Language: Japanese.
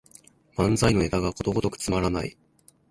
漫才のネタがことごとくつまらない